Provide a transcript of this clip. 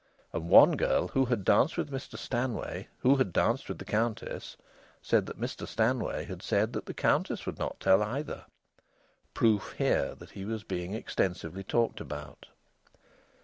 And one girl who had danced with Mr Stanway, who had danced with the Countess, said that Mr Stanway had said that the Countess would not tell either. Proof, here, that he was being extensively talked about!